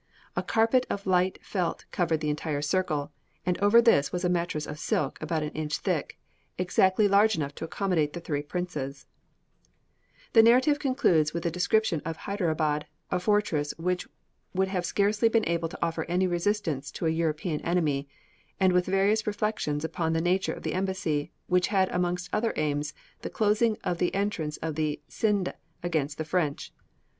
A carpet of light felt covered the entire circle, and over this was a mattress of silk about an inch thick, exactly large enough to accommodate the three princes." [Illustration: "They were seated according to age."] The narrative concludes with a description of Hyderabad, a fortress which would have scarcely been able to offer any resistance to a European enemy, and with various reflections upon the nature of the embassy, which had amongst other aims the closing of the entrance of Scinde against the French.